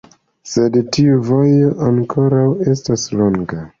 Sed tiu vojo ankoraŭ estas longa.